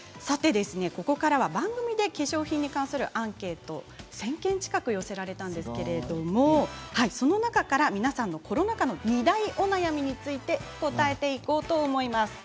ここからは番組で化粧品に関するアンケート１０００件近く寄せられたんですけれどもその中から皆さんのコロナ禍の二大お悩みについて答えていこうと思います。